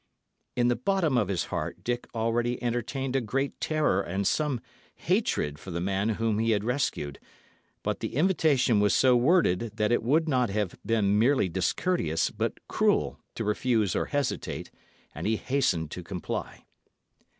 In the bottom of his heart Dick already entertained a great terror and some hatred for the man whom he had rescued; but the invitation was so worded that it would not have been merely discourteous, but cruel, to refuse or hesitate; and he hastened to comply.